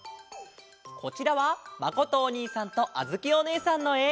こちらはまことおにいさんとあづきおねえさんのえ。